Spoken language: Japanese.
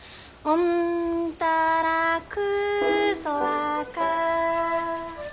おんたらくそわか。